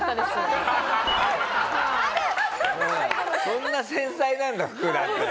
そんな繊細なんだ福田って。